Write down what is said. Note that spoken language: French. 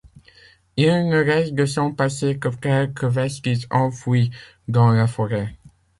Il ne reste de son passé que quelques vestiges enfouis dans la forêt.